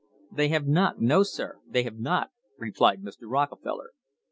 "They have not; no, sir, they have not," replied Mr. Rocke feller.